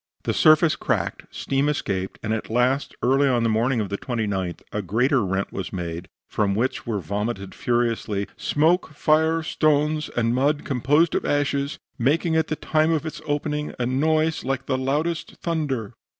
The surface cracked, steam escaped, and at last, early on the morning of the 29th, a greater rent was made, from which were vomited furiously "smoke, fire, stones and mud composed of ashes, making at the time of its opening a noise like the loudest thunder."